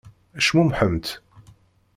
Cmumḥemt!